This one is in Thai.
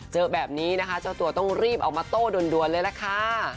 เจอแบบนี้นะคะเจ้าตัวต้องรีบออกมาโต้ด่วนเลยล่ะค่ะ